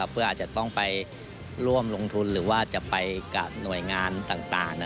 เพื่ออาจจะต้องไปร่วมลงทุนหรือว่าจะไปกับหน่วยงานต่าง